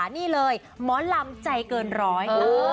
นี่เลยหมอลำใจเกินร้อยค่ะ